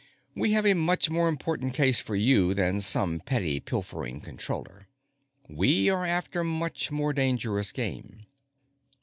We have a much more important case for you than some petty pilfering Controller. We are after much more dangerous game."